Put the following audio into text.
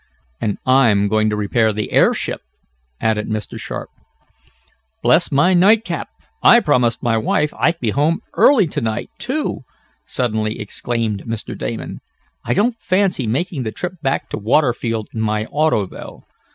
"And I'm going to repair the airship," added Mr. Sharp. "Bless my night cap, I promised my wife I'd be home early to night, too!" suddenly exclaimed Mr. Damon. "I don't fancy making the trip back to Waterfield in my auto, though.